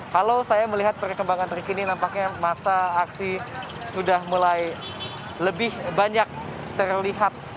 kalau saya melihat perkembangan terkini nampaknya masa aksi sudah mulai lebih banyak terlihat